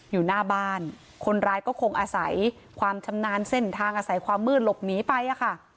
อยู่หน้าบ้านคนร้ายก็คงอาศัยความชำนาญเส้นทางอาศัยความมืดหลบหนีไปอะค่ะ